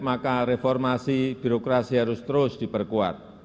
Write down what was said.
maka reformasi birokrasi harus terus diperkuat